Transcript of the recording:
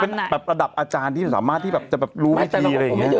เป็นระดับอาจารย์ที่สามารถรู้ไม่ผี